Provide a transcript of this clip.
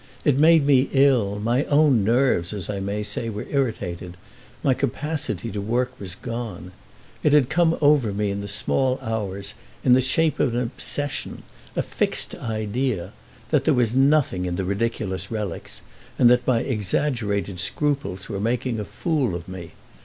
It made me ill; my own nerves (as I may say) were irritated, my capacity to work was gone. It had come over me in the small hours in the shape of an obsession, a fixed idea, that there was nothing in the ridiculous relics and that my exaggerated scruples were making a fool of me.